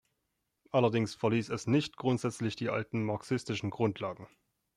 Allerdings verließ es nicht grundsätzlich die alten marxistischen Grundlagen.